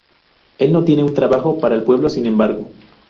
Él no tiene un trabajo para el pueblo sin embargo.